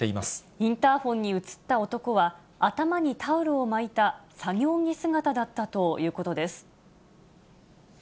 インターホンに映った男は、頭にタオルを巻いた作業着姿だったということです。